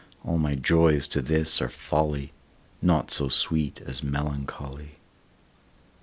All my joys to this are folly, Naught so sweet as melancholy.